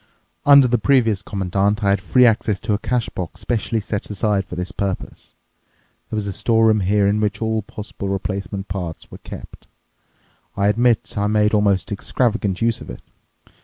Under the previous Commandant, I had free access to a cash box specially set aside for this purpose. There was a store room here in which all possible replacement parts were kept. I admit I made almost extravagant use of it.